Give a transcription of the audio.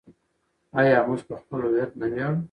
آیا موږ په خپل هویت نه ویاړو؟